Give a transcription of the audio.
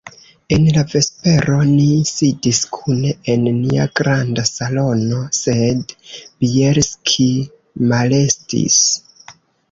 En la vespero ni sidis kune en nia granda salono, sed Bjelski malestis.